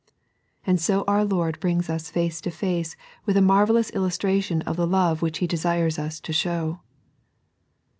And so our Lord brings us face to face with a marvellous illustration of the Love which He desires us to show.